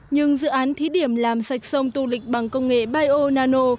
nhưng dự án thí điểm làm sạch sông tô lịch bằng công nghệ bio nano